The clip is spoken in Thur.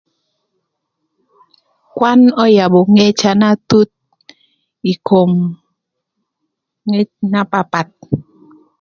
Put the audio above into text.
Kwan öyabö ngecna na thuth ï kom ngec na papath